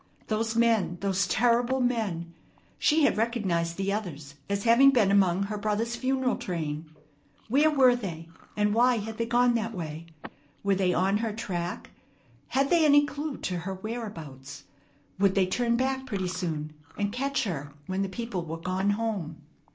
Those men, those terrible men! She had recognized the others as having been among her brother's funeral train. Where were they, and why had they gone that way? Were they on her track? Had they any clue to her whereabouts? Would they turn back pretty soon, and catch her when the people were gone home?